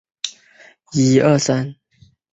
贝布尔河畔雅利尼人口变化图示